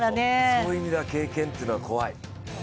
そういう意味では経験っていうのは怖い。